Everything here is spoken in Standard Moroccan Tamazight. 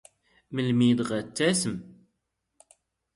ⵎⵍⵎⵉ ⴷ ⵖⴰ ⵜⴰⵙⵎ?